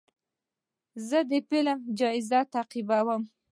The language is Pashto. زه د فلم جایزې تعقیبوم.